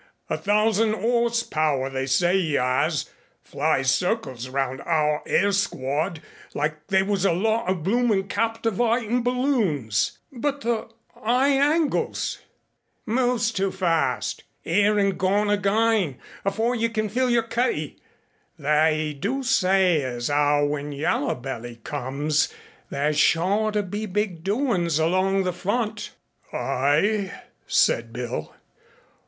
A thousand 'orse power, they say 'e 'as flies circles round hour hair squad like they was a lot o' bloomink captivatin' balloons." "But the 'igh hangles ?" "Moves too fast 'ere an' gone agayn, afore you can fill yer cutty. They do say 'as 'ow when Yaller belly comes, there's sure to be big doin's along the front." "Aye," said Bill.